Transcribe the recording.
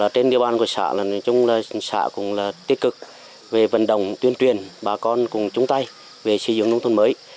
trên địa bàn của xã xã cũng tiêu cực về vận động tuyên truyền bà con cùng chung tay về sử dụng nông thôn mới